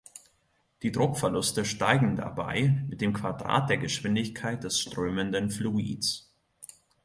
Die Druckverluste steigen dabei mit dem Quadrat der Geschwindigkeit des strömenden Fluids.